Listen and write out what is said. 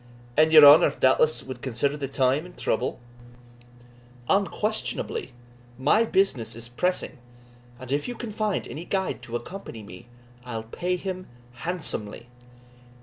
"And your honour, doubtless, wad consider the time and trouble?" "Unquestionably my business is pressing, and if you can find any guide to accompany me, I'll pay him handsomely."